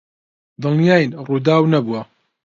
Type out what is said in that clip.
دڵنیاین ڕووداو نەبووە.